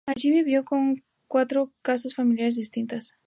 Allí vivió en cuatro casas familiares distintas.